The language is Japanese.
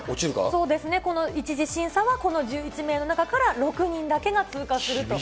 そうですね、この１次審査は、この１１名の中から６人だけが通過すると。